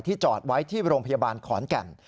จอดไว้ที่โรงพยาบาลขอนแก่น